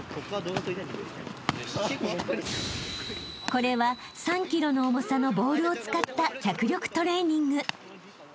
［これは３ｋｇの重さのボールを使った脚力トレーニング］